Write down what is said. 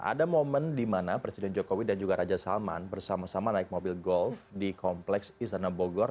ada momen di mana presiden jokowi dan juga raja salman bersama sama naik mobil golf di kompleks istana bogor